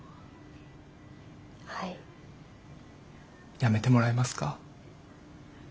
辞めてもらえますか。